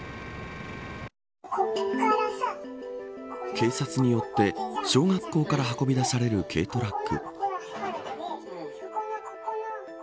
警察によって小学校から運び出される軽トラック。